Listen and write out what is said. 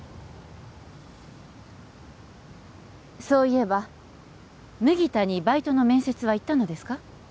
そういえば麦田にバイトの面接は行ったのですか？